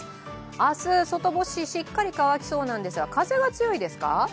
明日、外干ししっかり乾きそうなんですが、風が強いですか？